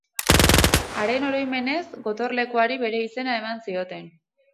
Haren oroimenez, gotorlekuari bere izena eman zioten.